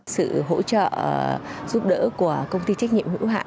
sự hỗ trợ giúp đỡ của công ty trách nhiệm hữu hạn